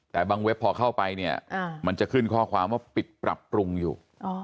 แต่บางเว็บพอเข้าไปเนี่ยมันจะขึ้นข้อความว่าปิดปรับปรุงอยู่